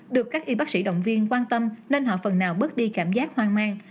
được các y bác sĩ động viên quan tâm nên họ phần nào bước đi cảm giác hoang mang